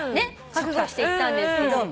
覚悟して行ったんですけど